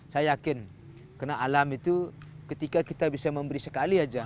saya yakin karena alam itu ketika kita bisa memberi sekali saja